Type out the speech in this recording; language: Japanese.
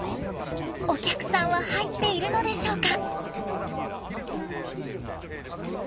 お客さんは入っているのでしょうか？